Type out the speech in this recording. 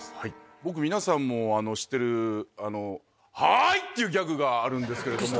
僕皆さんも知ってる。っていうギャグがあるんですけれども。